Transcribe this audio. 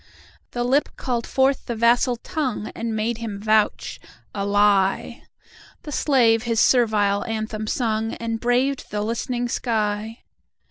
The Lip called forth the vassal Tongue, And made him vouch—a lie! The slave his servile anthem sung, And braved the listening sky.